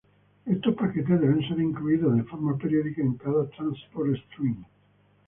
Estos paquetes deben ser incluidos de forma periódica en cada "transport stream".